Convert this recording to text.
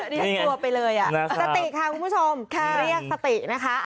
ดีกว่าไปเลยอ่ะสติค่ะคุณผู้ชมเรียกสตินะคะ